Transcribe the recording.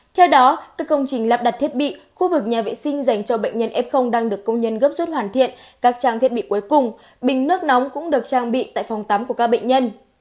theo đó các công trình lắp đặt thiết bị khu vực nhà vệ sinh dành cho bệnh nhân f đang được công nhân gấp rút hoàn thiện các trang thiết bị cuối cùng bình nước nóng cũng được trang bị tại phòng tắm của các bệnh nhân